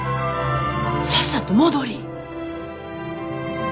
さっさと戻りい。